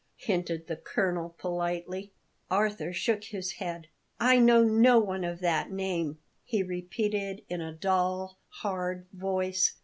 hinted the colonel politely. Arthur shook his head. "I know no one of that name," he repeated in a dull, hard voice.